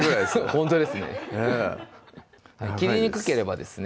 ほんとですね切りにくければですね